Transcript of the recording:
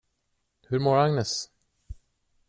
Hur mår Agnes?